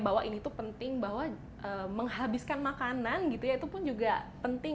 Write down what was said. bahwa ini tuh penting bahwa menghabiskan makanan gitu ya itu pun juga penting